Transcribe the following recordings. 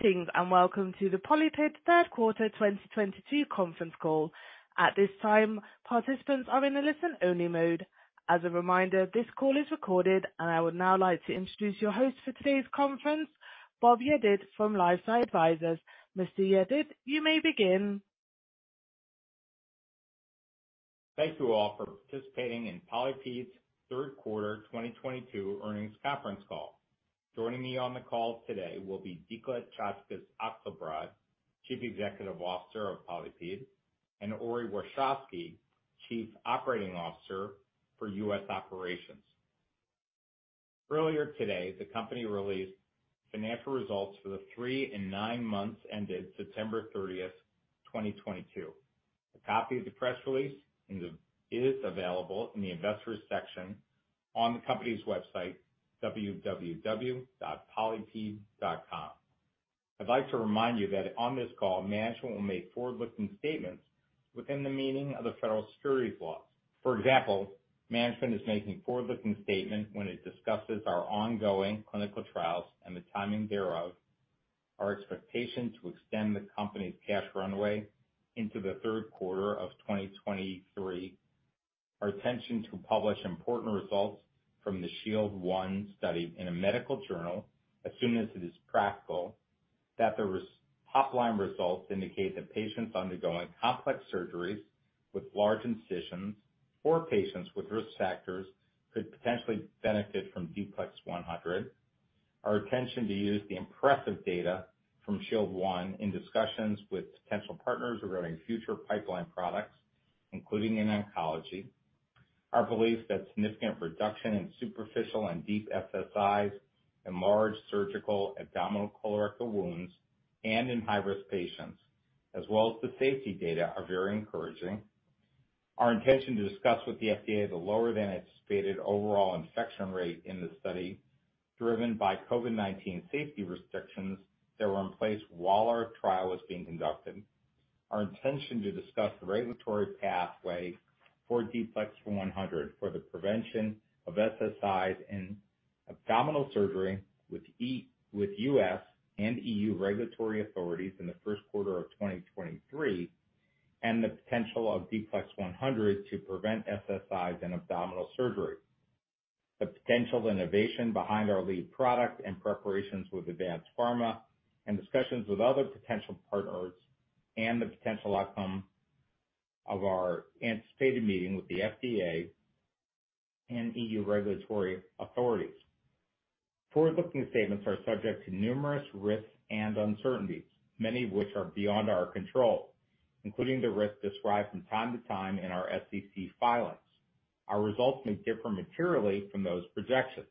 Greetings, and welcome to the PolyPid third quarter 2022 conference call. At this time, participants are in a listen-only mode. As a reminder, this call is recorded, and I would now like to introduce your host for today's conference, Bob Yedid from LifeSci Advisors. Mr. Yedid, you may begin. Thank you all for participating in PolyPid's third quarter 2022 earnings conference call. Joining me on the call today will be Dikla Czaczkes Akselbrad, Chief Executive Officer of PolyPid, and Ori Warshavsky, Chief Operating Officer for U.S. operations. Earlier today, the company released financial results for the three and nine months ended September 30th, 2022. A copy of the press release is available in the investors section on the company's website, www.polypid.com. I'd like to remind you that on this call, management will make forward-looking statements within the meaning of the federal securities laws. For example, management is making forward-looking statements when it discusses our ongoing clinical trials and the timing thereof, our expectation to extend the company's cash runway into the third quarter of 2023. Our intention to publish important results from the SHIELD I study in a medical journal as soon as it is practical, top-line results indicate that patients undergoing complex surgeries with large incisions or patients with risk factors could potentially benefit from D-PLEX100. Our intention to use the impressive data from SHIELD I in discussions with potential partners regarding future pipeline products, including in oncology. Our belief that significant reduction in superficial and deep SSIs in large surgical abdominal colorectal wounds and in high-risk patients, as well as the safety data, are very encouraging. Our intention to discuss with the FDA the lower than anticipated overall infection rate in the study, driven by COVID-19 safety restrictions that were in place while our trial was being conducted. Our intention to discuss the regulatory pathway for D-PLEX100 for the prevention of SSIs in abdominal surgery with U.S. and EU regulatory authorities in the first quarter of 2023, and the potential of D-PLEX100 to prevent SSIs in abdominal surgery. The potential innovation behind our lead product and preparations with ADVANZ PHARMA, and discussions with other potential partners, and the potential outcome of our anticipated meeting with the FDA and EU regulatory authorities. Forward-looking statements are subject to numerous risks and uncertainties, many of which are beyond our control, including the risks described from time to time in our SEC filings. Our results may differ materially from those projections.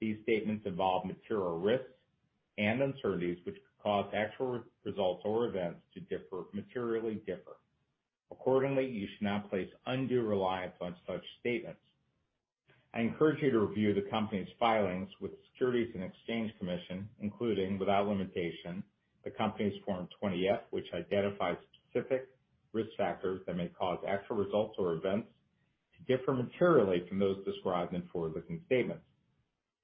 These statements involve material risks and uncertainties which could cause actual results or events to differ materially. Accordingly, you should not place undue reliance on such statements. I encourage you to review the company's filings with the Securities and Exchange Commission, including without limitation, the company's Form 20-F, which identifies specific risk factors that may cause actual results or events to differ materially from those described in forward-looking statements.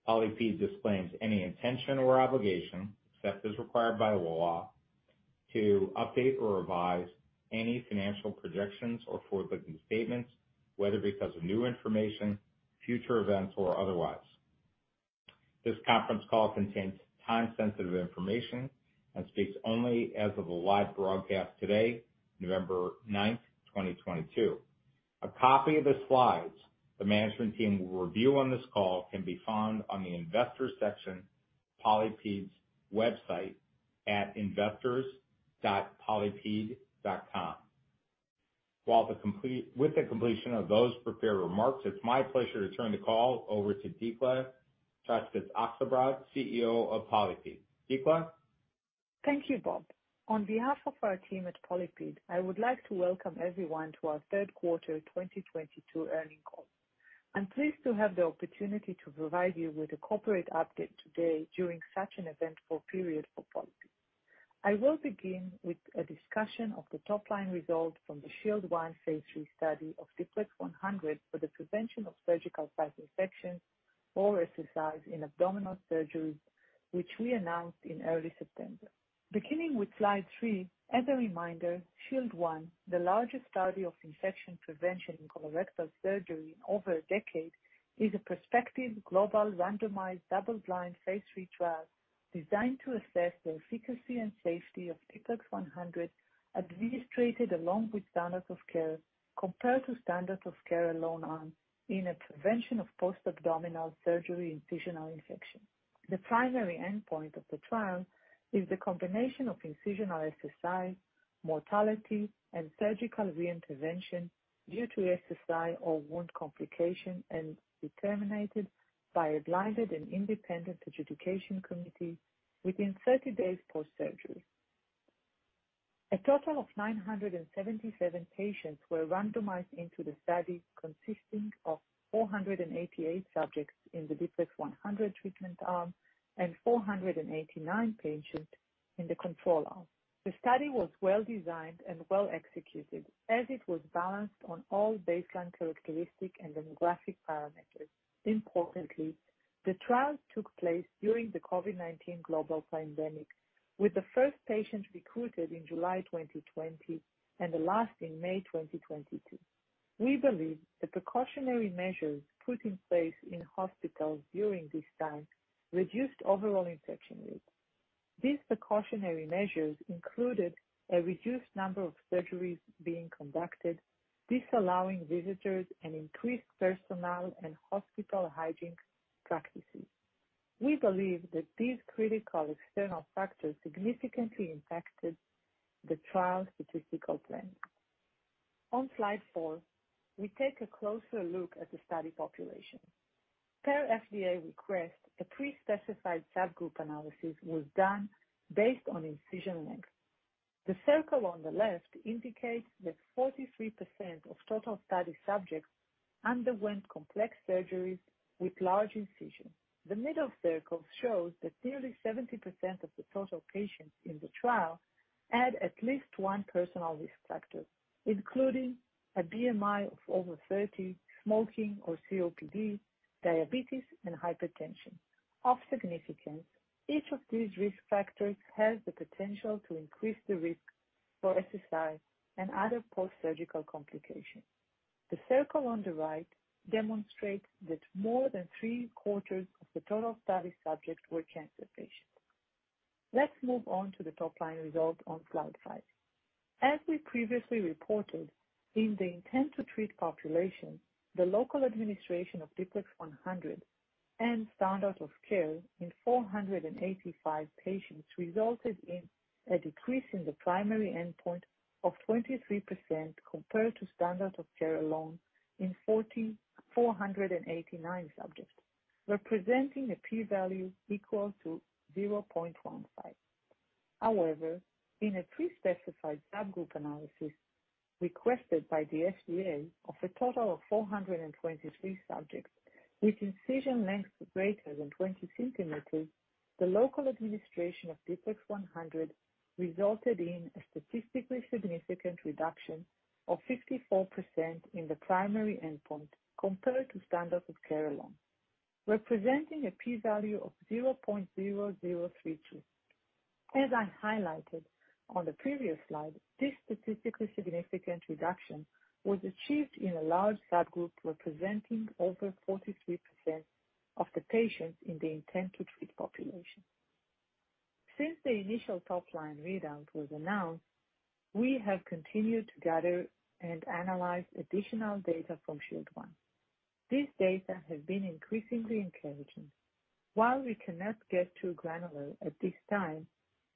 PolyPid disclaims any intention or obligation, except as required by law, to update or revise any financial projections or forward-looking statements, whether because of new information, future events, or otherwise. This conference call contains time-sensitive information and speaks only as of the live broadcast today, November 9th, 2022. A copy of the slides the management team will review on this call can be found on the investors section, PolyPid's website at investors.polypid.com. With the completion of those prepared remarks, it's my pleasure to turn the call over to Dikla Czaczkes Akselbrad, CEO of PolyPid. Dikla. Thank you, Bob. On behalf of our team at PolyPid, I would like to welcome everyone to our third quarter 2022 earnings call. I'm pleased to have the opportunity to provide you with a corporate update today during such an eventful period for PolyPid. I will begin with a discussion of the top-line results from the SHIELD I phase III study of D-PLEX100 for the prevention of surgical site infections or SSIs in abdominal surgeries, which we announced in early September. Beginning with slide three, as a reminder, SHIELD I, the largest study of infection prevention in colorectal surgery in over a decade, is a prospective global randomized double-blind phase III trial designed to assess the efficacy and safety of D-PLEX100 administered along with standard of care compared to standard of care alone arm in the prevention of post-abdominal surgery incisional infection. The primary endpoint of the trial is the combination of incisional SSI, mortality, and surgical re-intervention due to SSI or wound complication, and determined by a blinded and independent adjudication committee within 30 days post-surgery. A total of 977 patients were randomized into the study, consisting of 488 subjects in the D-PLEX100 treatment arm and 489 patients in the control arm. The study was well-designed and well-executed as it was balanced on all baseline characteristic and demographic parameters. Importantly, the trial took place during the COVID-19 global pandemic, with the first patient recruited in July 2020 and the last in May 2022. We believe the precautionary measures put in place in hospitals during this time reduced overall infection rates. These precautionary measures included a reduced number of surgeries being conducted, disallowing visitors, and increased personnel and hospital hygiene practices. We believe that these critical external factors significantly impacted the trial's statistical plan. On slide four, we take a closer look at the study population. Per FDA request, a pre-specified subgroup analysis was done based on incision length. The circle on the left indicates that 43% of total study subjects underwent complex surgeries with large incisions. The middle circle shows that nearly 70% of the total patients in the trial had at least one personal risk factor, including a BMI of over 30, smoking or COPD, diabetes, and hypertension. Of significance, each of these risk factors has the potential to increase the risk for SSI and other post-surgical complications. The circle on the right demonstrates that more than three-quarters of the total study subjects were cancer patients. Let's move on to the top-line results on slide five. As we previously reported, in the intent-to-treat population, the local administration of D-PLEX100 and standard of care in 485 patients resulted in a decrease in the primary endpoint of 23% compared to standard of care alone in 4,489 subjects, representing a P-value of 0.15. However, in a pre-specified subgroup analysis requested by the FDA of a total of 423 subjects with incision lengths greater than 20 cm, the local administration of D-PLEX100 resulted in a statistically significant reduction of 54% in the primary endpoint compared to standard of care alone, representing a P-value of 0.0032. As I highlighted on the previous slide, this statistically significant reduction was achieved in a large subgroup representing over 43% of the patients in the intent-to-treat population. Since the initial top-line readout was announced, we have continued to gather and analyze additional data from SHIELD I. This data has been increasingly encouraging. While we cannot get too granular at this time,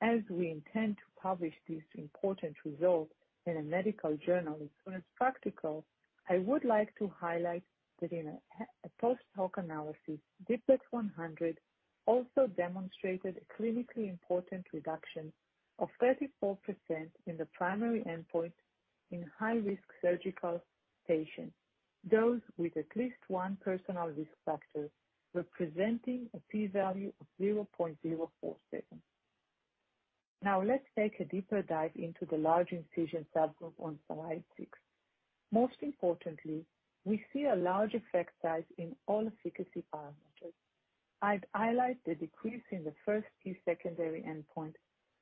as we intend to publish these important results in a medical journal as soon as practical, I would like to highlight that in a post-hoc analysis, D-PLEX100 also demonstrated a clinically important reduction of 34% in the primary endpoint in high-risk surgical patients, those with at least one personal risk factor, representing a P-value of 0.047. Now let's take a deeper dive into the large incision subgroup on slide 6. Most importantly, we see a large effect size in all efficacy parameters. I'd highlight the decrease in the first two secondary endpoint,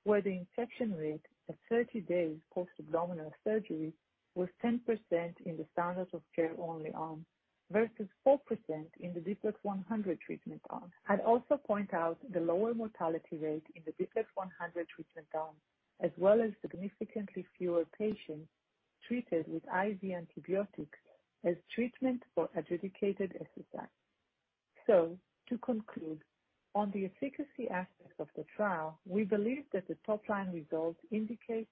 where the infection rate at 30 days post-abdominal surgery was 10% in the standard of care only arm, versus 4% in the D-PLEX100 treatment arm. I'd also point out the lower mortality rate in the D-PLEX100 treatment arm, as well as significantly fewer patients treated with IV antibiotics as treatment for adjudicated SSI. To conclude, on the efficacy aspects of the trial, we believe that the top-line results indicate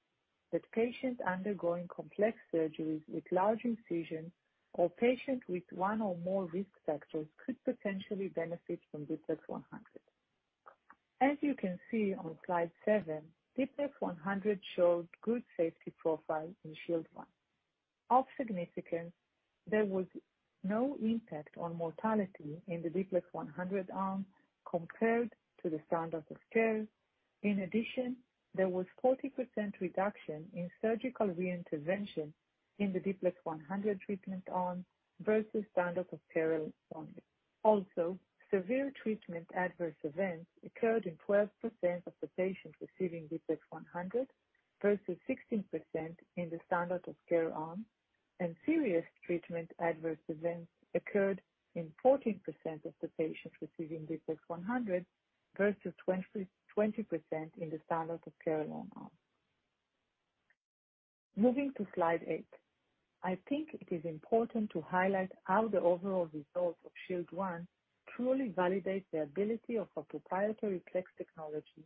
that patients undergoing complex surgeries with large incisions or patients with one or more risk factors could potentially benefit from D-PLEX100. As you can see on slide seven, D-PLEX100 showed good safety profile in SHIELD I. Of significance, there was no impact on mortality in the D-PLEX100 arm compared to the standard of care. In addition, there was 40% reduction in surgical reintervention in the D-PLEX100 treatment arm versus standard of care alone. Also, severe treatment adverse events occurred in 12% of the patients receiving D-PLEX100 versus 16% in the standard of care arm, and serious treatment adverse events occurred in 14% of the patients receiving D-PLEX100 versus 20% in the standard of care alone arm. Moving to slide eight. I think it is important to highlight how the overall results of SHIELD I truly validates the ability of our proprietary PLEX technology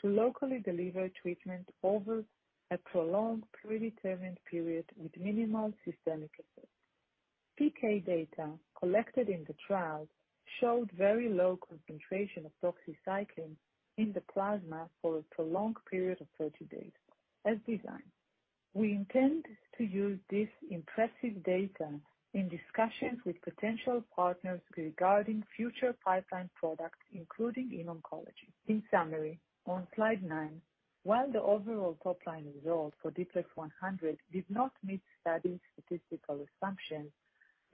to locally deliver treatment over a prolonged predetermined period with minimal systemic effects. PK data collected in the trial showed very low concentration of doxycycline in the plasma for a prolonged period of 30 days as designed. We intend to use this impressive data in discussions with potential partners regarding future pipeline products, including in oncology. In summary, on slide nine, while the overall top-line results for D-PLEX100 did not meet study statistical assumptions.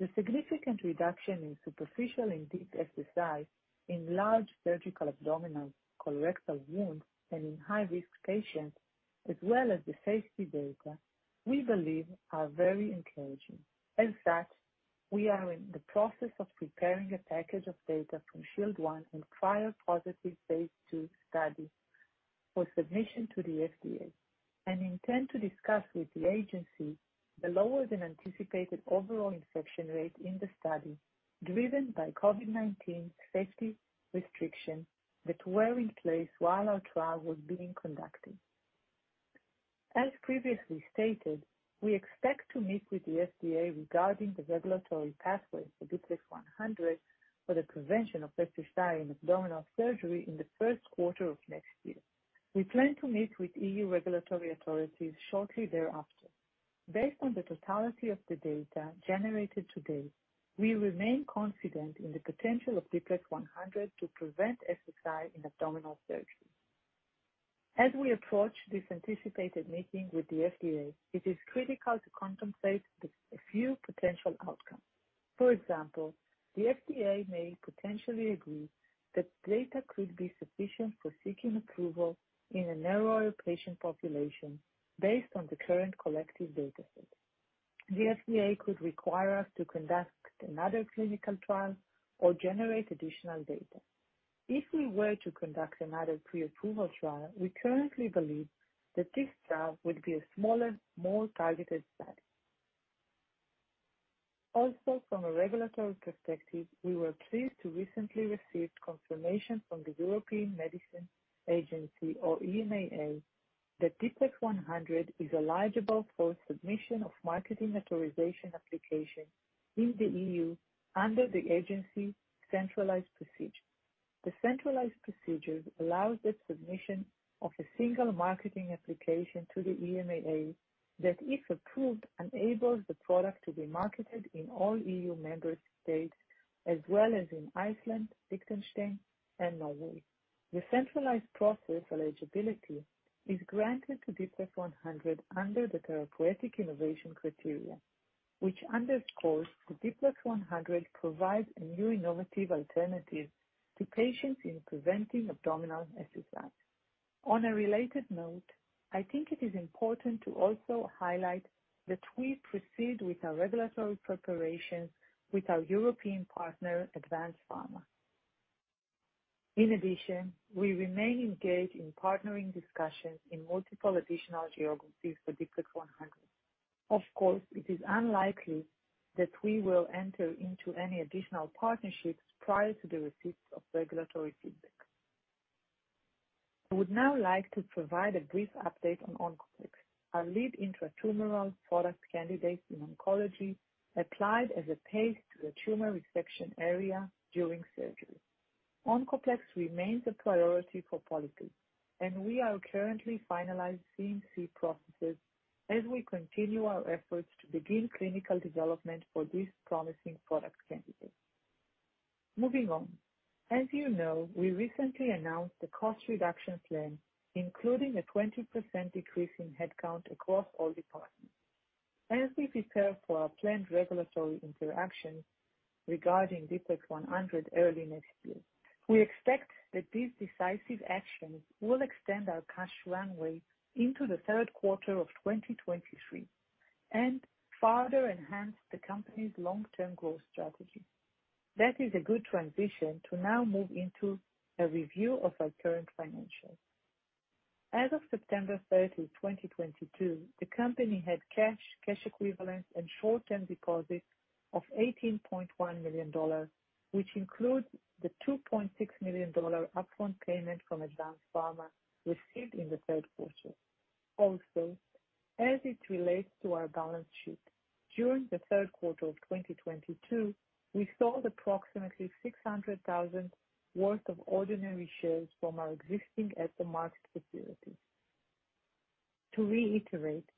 The significant reduction in superficial and deep SSI in large surgical abdominal colorectal wounds and in high-risk patients, as well as the safety data, we believe are very encouraging. As such, we are in the process of preparing a package of data from SHIELD I and prior positive phase II studies for submission to the FDA and intend to discuss with the agency the lower than anticipated overall infection rate in the study, driven by COVID-19 safety restrictions that were in place while our trial was being conducted. As previously stated, we expect to meet with the FDA regarding the regulatory pathway for D-PLEX100 for the prevention of SSI in abdominal surgery in the first quarter of next year. We plan to meet with EU regulatory authorities shortly thereafter. Based on the totality of the data generated to date, we remain confident in the potential of D-PLEX100 to prevent SSI in abdominal surgery. As we approach this anticipated meeting with the FDA, it is critical to contemplate a few potential outcomes. For example, the FDA may potentially agree that data could be sufficient for seeking approval in a narrower patient population based on the current collective data set. The FDA could require us to conduct another clinical trial or generate additional data. If we were to conduct another pre-approval trial, we currently believe that this trial would be a smaller, more targeted study. From a regulatory perspective, we were pleased to recently receive confirmation from the European Medicines Agency, or EMA, that D-PLEX100 is eligible for submission of marketing authorization application in the EU under the agency's centralized procedure. The centralized procedure allows the submission of a single marketing application to the EMA that, if approved, enables the product to be marketed in all EU member states as well as in Iceland, Liechtenstein, and Norway. The centralized process eligibility is granted to D-PLEX100 under the therapeutic innovation criteria, which underscores that D-PLEX100 provides a new innovative alternative to patients in preventing abdominal SSIs. On a related note, I think it is important to also highlight that we proceed with our regulatory preparations with our European partner, ADVANZ PHARMA. In addition, we remain engaged in partnering discussions in multiple additional geographies for D-PLEX100. Of course, it is unlikely that we will enter into any additional partnerships prior to the receipt of regulatory feedback. I would now like to provide a brief update on OncoPLEX, our lead intra-tumoral product candidate in oncology applied as a paste to the tumor resection area during surgery. OncoPLEX remains a priority for PolyPid, and we are currently finalizing CMC processes as we continue our efforts to begin clinical development for this promising product candidate. Moving on. As you know, we recently announced a cost reduction plan, including a 20% decrease in headcount across all departments. As we prepare for our planned regulatory interaction regarding D-PLEX100 early next year, we expect that these decisive actions will extend our cash runway into the third quarter of 2023 and further enhance the company's long-term growth strategy. That is a good transition to now move into a review of our current financials. As of September 30th, 2022, the company had cash equivalents and short-term deposits of $18.1 million, which includes the $2.6 million upfront payment from ADVANZ PHARMA received in the third quarter. Also, as it relates to our balance sheet, during the third quarter of 2022, we sold approximately $600,000 worth of ordinary shares from our existing at-the-market facility. To reiterate,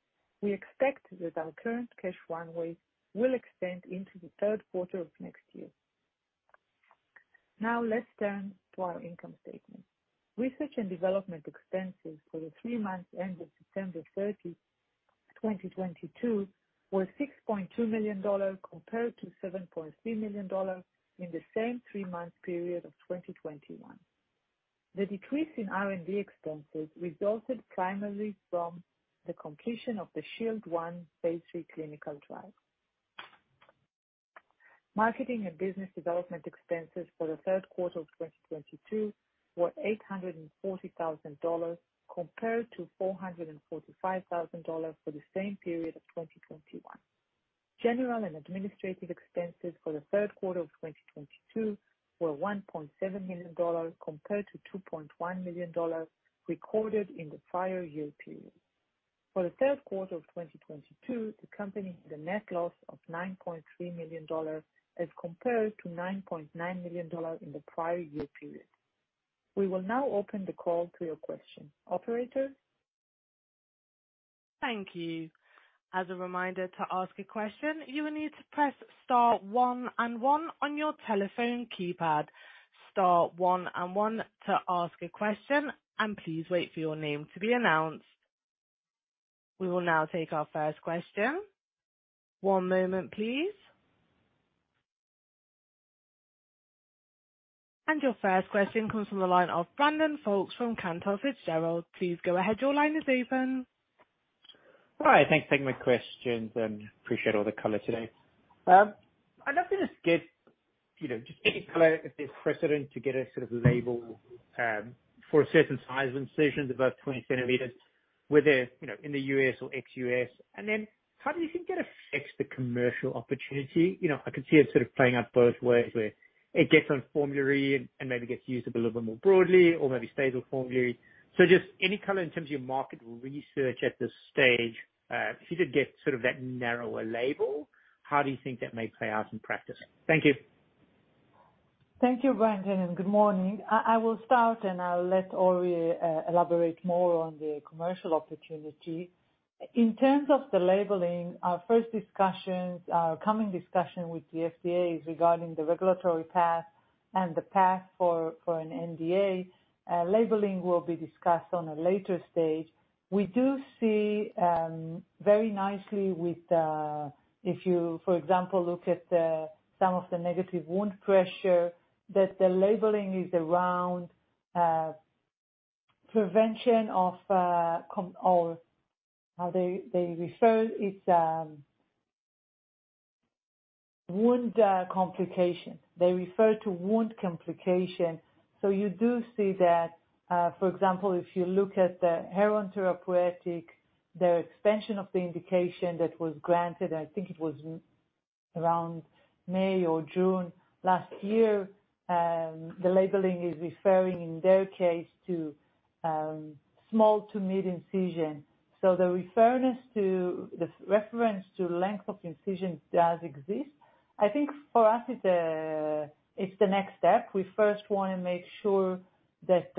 we expect that our current cash runway will extend into the third quarter of next year. Now, let's turn to our income statement. Research and development expenses for the three months ending September 30th, 2022 were $6.2 million compared to $7.3 million in the same three-month period of 2021. The decrease in R&D expenses resulted primarily from the completion of the SHIELD I phase III clinical trial. Marketing and business development expenses for the third quarter of 2022 were $840,000 compared to $445,000 for the same period of 2021. General and administrative expenses for the third quarter of 2022 were $1.7 million compared to $2.1 million recorded in the prior year period. For the third quarter of 2022, the company had a net loss of $9.3 million as compared to $9.9 million in the prior year period. We will now open the call to your questions. Operator? Thank you. As a reminder, to ask a question, you will need to press star one and one on your telephone keypad. Star one and one to ask a question and please wait for your name to be announced. We will now take our first question. One moment please. Your first question comes from the line of Brandon Folkes from Cantor Fitzgerald. Please go ahead. Your line is open. Hi. Thanks for taking my questions, appreciate all the color today. I'd love to just get, you know, just any color if there's precedent to get a sort of label for a certain size of incisions above 20 cm, whether, you know, in the U.S. or ex-U.S. Then how do you think that affects the commercial opportunity? You know, I can see it sort of playing out both ways where it gets on formulary and maybe gets used a little bit more broadly or maybe stays with formulary. Just any color in terms of your market research at this stage, if you did get sort of that narrower label, how do you think that may play out in practice? Thank you. Thank you, Brandon Folkes, and good morning. I will start, and I'll let Ori Warshavsky elaborate more on the commercial opportunity. In terms of the labeling, our first discussions, our coming discussion with the FDA is regarding the regulatory path and the path for an NDA. Labeling will be discussed on a later stage. We do see very nicely with if you, for example, look at some of the negative pressure wound therapy, that the labeling is around prevention of or how they refer it, wound complication. They refer to wound complication. You do see that for example, if you look at Heron Therapeutics, their expansion of the indication that was granted, I think it was around May or June last year, the labeling is referring in their case to small to mid incision. The reference to length of incision does exist. I think for us it's the next step. We first wanna make sure that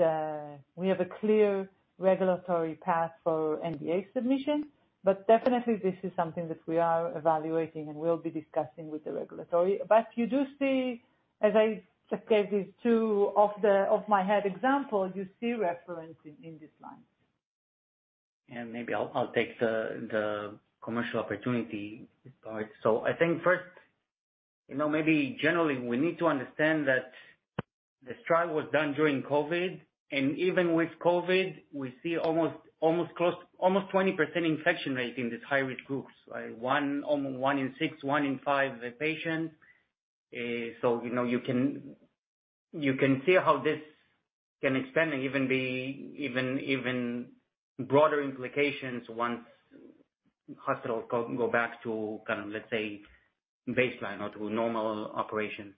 we have a clear regulatory path for NDA submission, but definitely this is something that we are evaluating and we'll be discussing with the regulatory. You do see, as I just gave these two off the top of my head examples, you see reference in this line. Maybe I'll take the commercial opportunity part. I think first, you know, maybe generally we need to understand that the trial was done during COVID. Even with COVID, we see almost close to 20% infection rate in these high-risk groups. Like one in six, one in five of the patients. You know, you can see how this can expand and even be even broader implications once hospitals go back to kind of, let's say, baseline or to normal operation.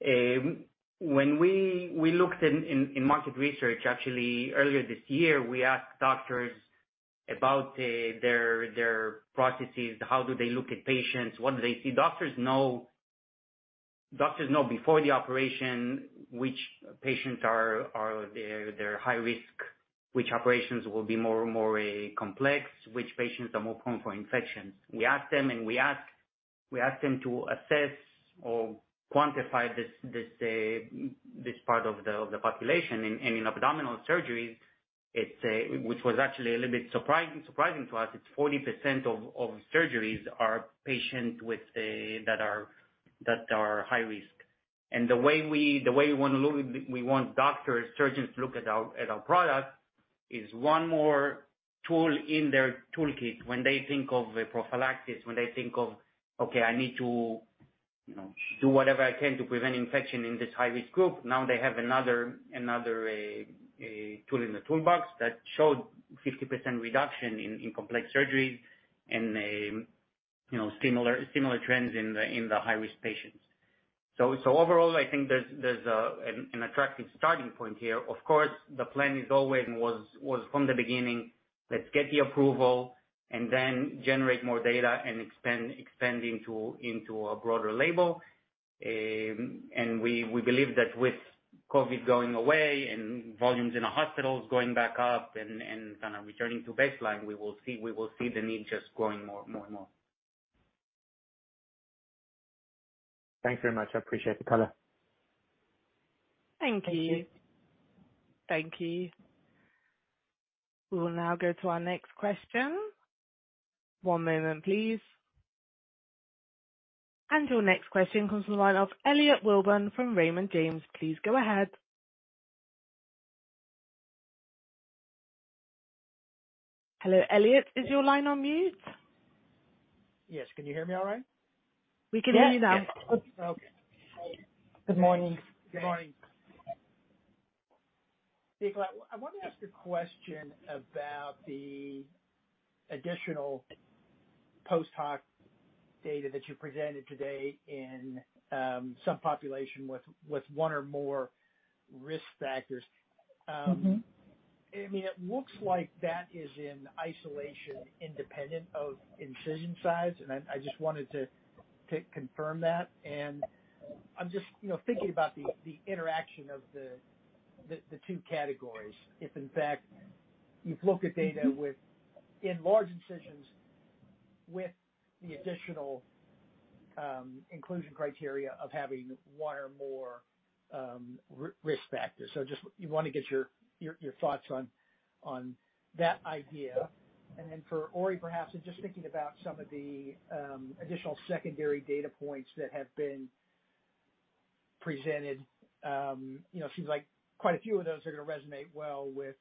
When we looked in market research, actually earlier this year, we asked doctors about their processes, how do they look at patients, what do they see? Doctors know before the operation which patients are they're high risk, which operations will be more and more complex, which patients are more prone for infections. We ask them to assess or quantify this part of the population. In abdominal surgeries, which was actually a little bit surprising to us, 40% of surgeries are patients that are high risk. The way we want doctors, surgeons to look at our product is one more tool in their toolkit when they think of a prophylaxis, when they think of, okay, I need to, you know, do whatever I can to prevent infection in this high-risk group. Now they have another tool in the toolbox that showed 50% reduction in complex surgeries and, you know, similar trends in the high-risk patients. Overall, I think there's an attractive starting point here. Of course, the plan is always and was from the beginning, let's get the approval and then generate more data and expand into a broader label. We believe that with COVID going away and volumes in the hospitals going back up and kind of returning to baseline, we will see the need just growing more and more. Thanks very much. I appreciate the color. Thank you. Thank you. We will now go to our next question. One moment please. Your next question comes from the line of Elliot Wilbur from Raymond James. Please go ahead. Hello, Elliot. Is your line on mute? Yes. Can you hear me all right? We can hear you now. Okay. Good morning. Good morning. Dikla, I want to ask a question about the additional post-hoc data that you presented today in subpopulation with one or more risk factors. Mm-hmm. I mean, it looks like that is in isolation, independent of incision size, and I just wanted to confirm that. I'm just, you know, thinking about the interaction of the two categories. If in fact you've looked at data within large incisions with the additional inclusion criteria of having one or more risk factors. I just want to get your thoughts on that idea. For Ori perhaps, just thinking about some of the additional secondary data points that have been presented, you know, seems like quite a few of those are gonna resonate well with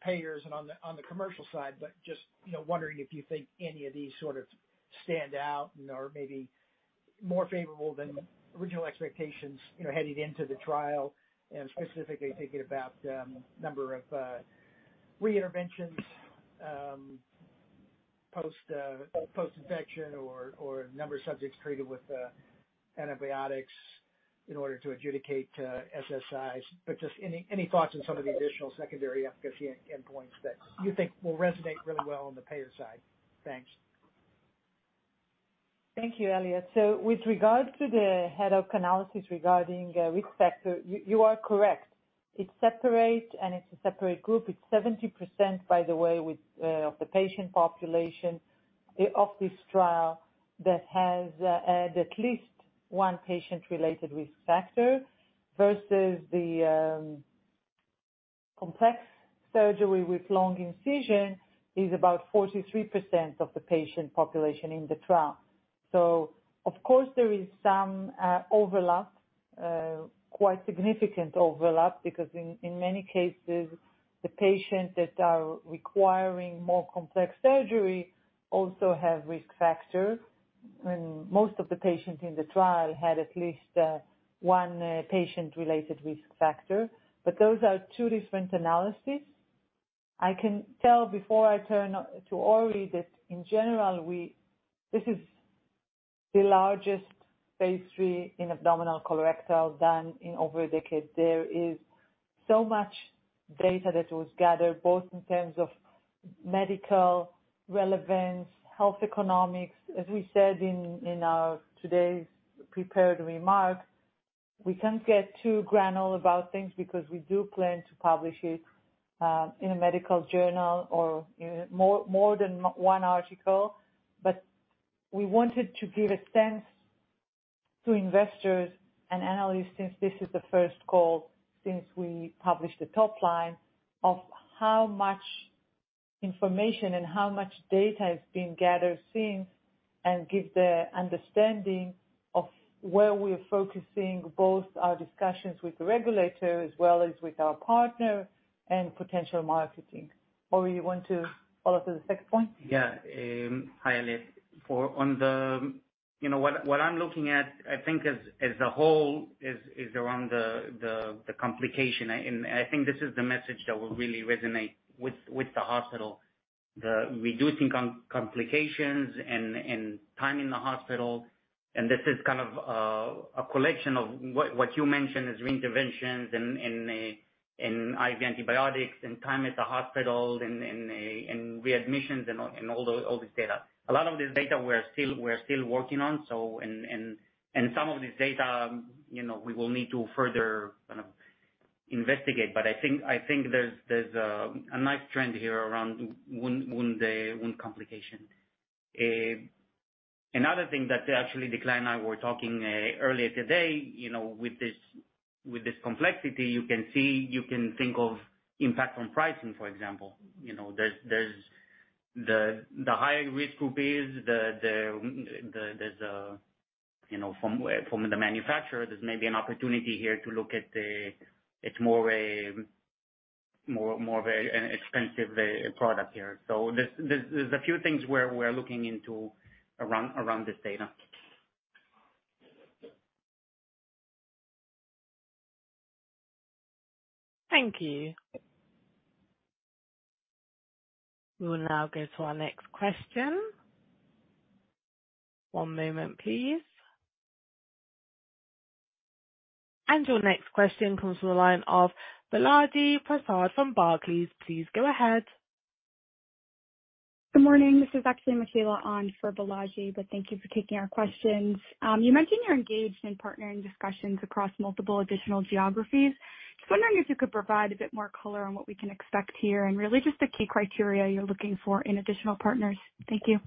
payers and on the commercial side, but just, you know, wondering if you think any of these sort of stand out, you know, or maybe more favorable than original expectations, you know, heading into the trial and specifically thinking about number of reinterventions post-infection or number of subjects treated with antibiotics in order to adjudicate SSIs. But just any thoughts on some of the additional secondary efficacy endpoints that you think will resonate really well on the payer side. Thanks. Thank you, Elliot. With regards to the post-hoc analysis regarding risk factor, you are correct. It's separate, and it's a separate group. It's 70%, by the way, of the patient population of this trial that has at least one patient-related risk factor versus the complex surgery with long incision is about 43% of the patient population in the trial. Of course, there is some overlap, quite significant overlap because in many cases the patients that are requiring more complex surgery also have risk factors. Most of the patients in the trial had at least one patient-related risk factor. Those are two different analyses. I can tell before I turn to Ori that in general this is the largest phase III in abdominal colorectal done in over a decade. There is so much data that was gathered, both in terms of medical relevance, health economics. As we said in our today's prepared remarks, we can't get too granular about things because we do plan to publish it in a medical journal or in more than one article. We wanted to give a sense to investors and analysts since this is the first call since we published the top line of how much information and how much data has been gathered since and give the understanding of where we're focusing both our discussions with the regulator as well as with our partner and potential marketing. Ori, you want to follow to the second point? Yeah. Hi Elliot. You know what I'm looking at, I think as a whole is around the complication. I think this is the message that will really resonate with the hospital, the reducing complications and time in the hospital. This is kind of a collection of what you mentioned as reinterventions and IV antibiotics and time at the hospital and readmissions and all this data. A lot of this data we're still working on. In some of this data, you know, we will need to further kind of investigate. I think there's a nice trend here around wound complication. Another thing that actually Dikla and I were talking earlier today, you know, with this complexity you can see, you can think of impact on pricing, for example. You know, the higher risk group is the, you know, from the manufacturer there may be an opportunity here to look at the. It's more of a expensive product here. There's a few things we're looking into around this data. Thank you. We will now go to our next question. One moment please. Your next question comes from the line of Balaji Prasad from Barclays. Please go ahead. Good morning. This is actually Michaela on for Balaji, but thank you for taking our questions. You mentioned you're engaged in partnering discussions across multiple additional geographies. Just wondering if you could provide a bit more color on what we can expect here and really just the key criteria you're looking for in additional partners. Thank you.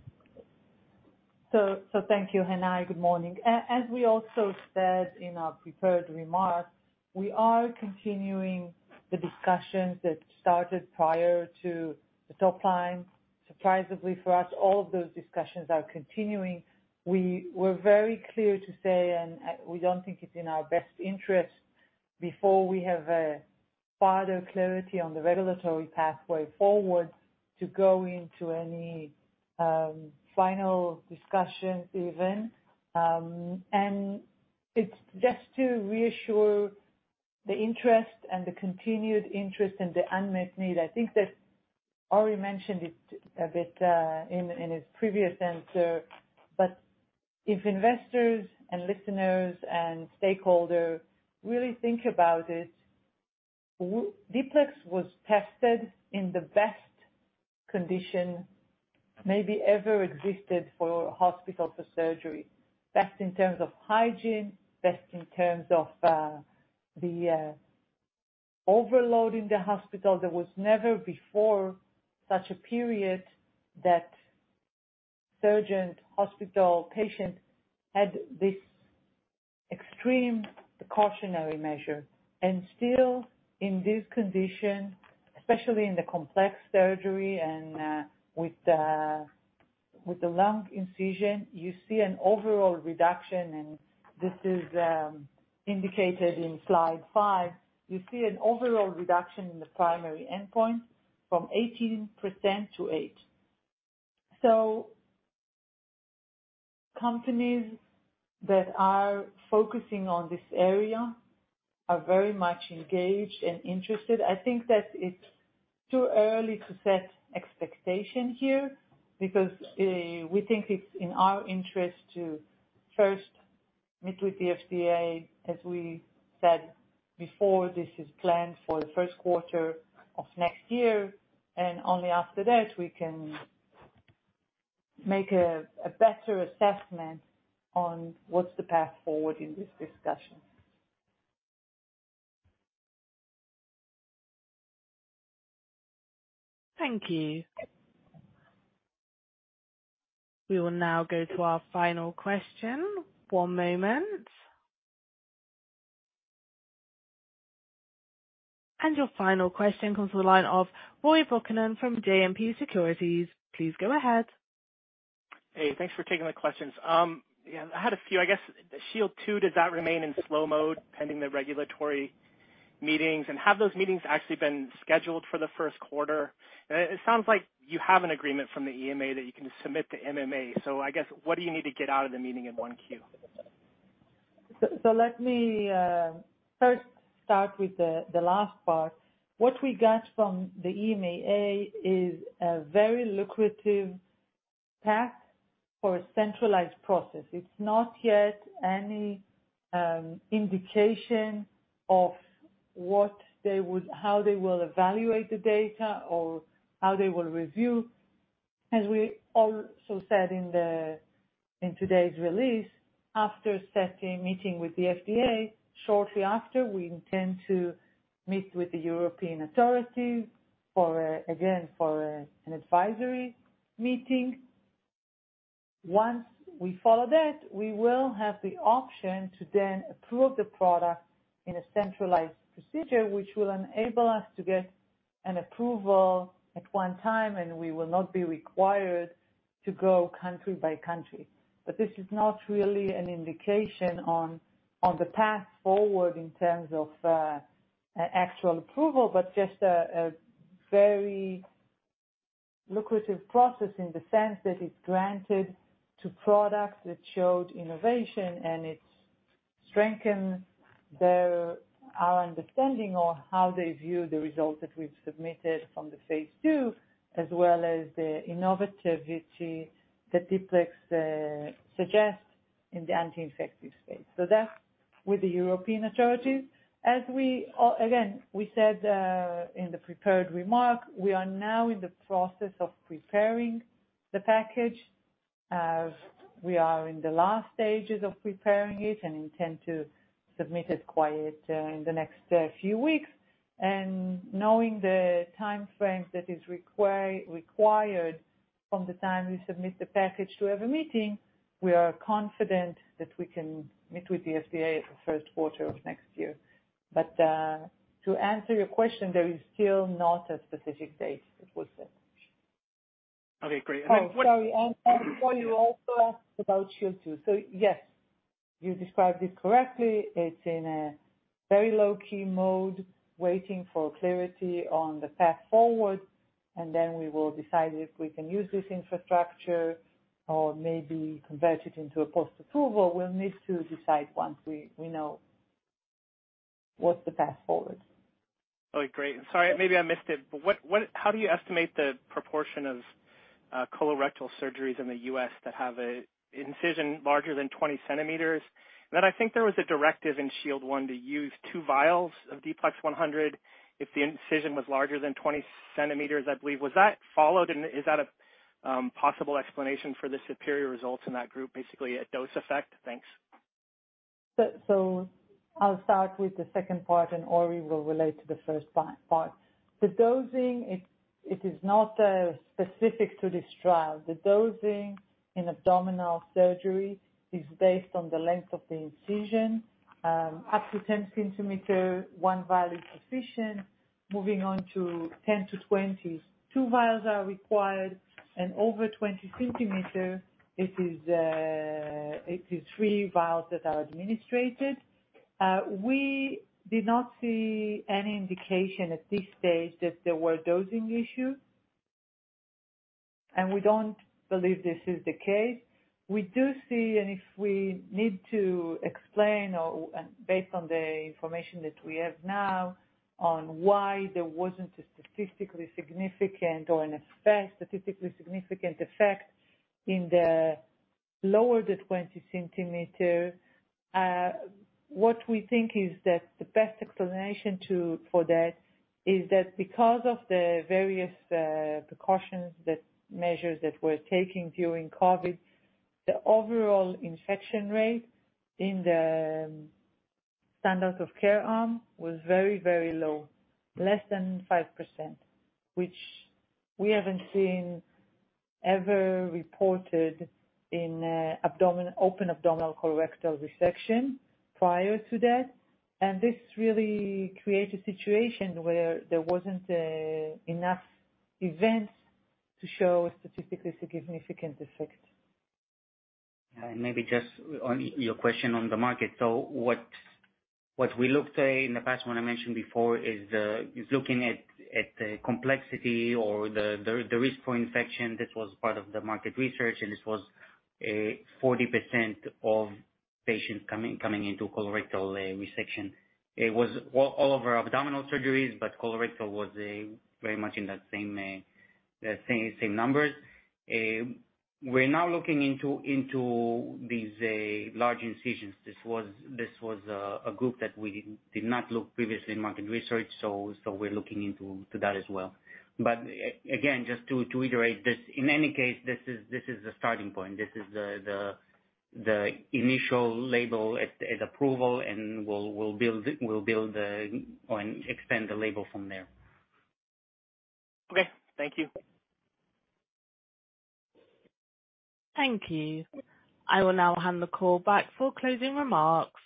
Thank you and Hi Good morning. As we also said in our prepared remarks, we are continuing the discussions that started prior to the top line. Surprisingly for us, all of those discussions are continuing. We were very clear to say we don't think it's in our best interest before we have further clarity on the regulatory pathway forward to go into any final discussions even. It's just to reassure the interest and the continued interest and the unmet need. I think that Ori mentioned it a bit in his previous answer. If investors and listeners and stakeholders really think about it, D-PLEX was tested in the best condition maybe ever existed for hospital for surgery. Best in terms of hygiene, best in terms of overloading the hospital, there was never before such a period that surgeon, hospital, patient had this extreme precautionary measure. Still, in this condition, especially in the complex surgery and with the lung incision, you see an overall reduction. This is indicated in slide five. You see an overall reduction in the primary endpoint from 18%-8%. Companies that are focusing on this area are very much engaged and interested. I think that it's too early to set expectation here because we think it's in our interest to first meet with the FDA. As we said before, this is planned for the first quarter of next year, and only after that we can make a better assessment on what's the path forward in this discussion. Thank you. We will now go to our final question. One moment. Your final question comes to the line of Roy Buchanan from JMP Securities. Please go ahead. Hey, thanks for taking the questions. Yeah, I had a few. I guess SHIELD II did that remain in slow mode pending the regulatory meetings? Have those meetings actually been scheduled for the first quarter? It sounds like you have an agreement from the EMA that you can submit to MAA. I guess what do you need to get out of the meeting in Q1? Let me first start with the last part. What we got from the EMA is a very lucrative path for a centralized process. It's not yet any indication of how they will evaluate the data or how they will review. As we also said in today's release, after setting a meeting with the FDA, shortly after, we intend to meet with the European authorities for, again, an advisory meeting. Once we follow that, we will have the option to then approve the product in a centralized procedure, which will enable us to get an approval at one time, and we will not be required to go country by country. This is not really an indication on the path forward in terms of a actual approval, but just a very lucrative process in the sense that it's granted to products that showed innovation and it strengthens their our understanding of how they view the results that we've submitted from the phase II, as well as the innovative which the D-PLEX suggests in the anti-infective space. That's with the European authorities. Again, we said in the prepared remark, we are now in the process of preparing the package. We are in the last stages of preparing it and intend to submit it quite in the next few weeks. Knowing the timeframe that is required from the time we submit the package to have a meeting, we are confident that we can meet with the FDA at the first quarter of next year. To answer your question, there is still not a specific date it was set. Okay, great. Oh, sorry. You also asked about SHIELD II. Yes, you described it correctly. It's in a very low-key mode, waiting for clarity on the path forward, and then we will decide if we can use this infrastructure or maybe convert it into a post-approval. We'll need to decide once we know what's the path forward. Okay, great. Sorry, maybe I missed it, but what? How do you estimate the proportion of colorectal surgeries in the U.S. that have an incision larger than 20 cm? Then I think there was a directive in SHIELD I to use two vials of D-PLEX100 if the incision was larger than 20 cm, I believe. Was that followed, and is that a possible explanation for the superior results in that group, basically a dose effect? Thanks. I'll start with the second part, and Ori will relate to the first part. The dosing, it is not specific to this trial. The dosing in abdominal surgery is based on the length of the incision. Up to 10 cm, one vial is sufficient. Moving on to 10 to 20, two vials are required. Over 20 cm, it is three vials that are administered. We did not see any indication at this stage that there were dosing issues, and we don't believe this is the case. We do see, and if we need to explain, based on the information that we have now, on why there wasn't a statistically significant effect in the lower 20 cm, what we think is that the best explanation for that is that because of the various precautionary measures that we're taking during COVID, the overall infection rate in the standard of care arm was very, very low, less than 5%, which we haven't seen ever reported in abdominal colorectal resection prior to that. This really created a situation where there wasn't enough events to show statistically significant effect. Maybe just on your question on the market. What we looked at in the past, what I mentioned before is looking at the complexity or the risk for infection. This was part of the market research, and this was 40% of patients coming into colorectal resection. It was all of our abdominal surgeries, but colorectal was very much in that same numbers. We're now looking into these large incisions. This was a group that we did not look previously in market research, so we're looking into that as well. But again, just to reiterate this, in any case, this is the starting point. This is the initial label at approval, and we'll build or extend the label from there. Okay. Thank you. Thank you. I will now hand the call back for closing remarks.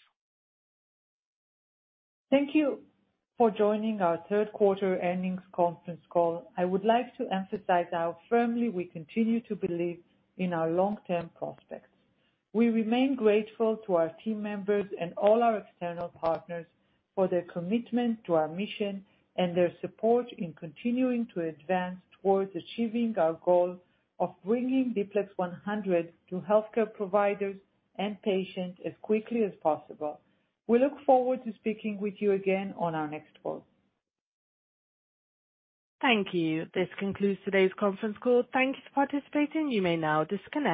Thank you for joining our third quarter earnings conference call. I would like to emphasize how firmly we continue to believe in our long-term prospects. We remain grateful to our team members and all our external partners for their commitment to our mission and their support in continuing to advance towards achieving our goal of bringing D-PLEX100 to healthcare providers and patients as quickly as possible. We look forward to speaking with you again on our next call. Thank you. This concludes today's conference call. Thank you for participating. You may now disconnect.